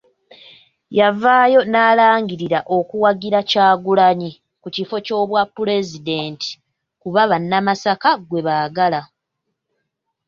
Yavaayo n'alangirira okuwagira Kyagulanyi ku kifo ky'obwapulezidenti, kuba bannamasaka gwe baagala.